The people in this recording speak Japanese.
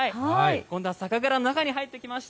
今度は酒蔵の中に入ってきました。